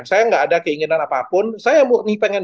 saya nggak ada keinginan apapun saya murni pengen